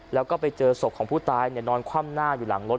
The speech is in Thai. แล้วก็ไปเจอศพของผู้ตายนอนคว่ำหน้าอยู่หลังรถ